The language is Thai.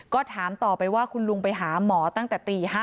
ก็ถามต่อไปว่าคุณลุงไปหาหมอตั้งแต่ตี๕